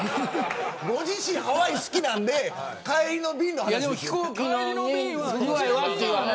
ご自身、ハワイ好きなので帰りの便の話。